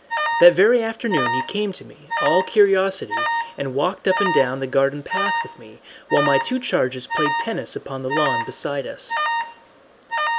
That very afternoon he came to me, all curiosity, and walked up and down the garden path with me, while my two charges played tennis upon the lawn beside us.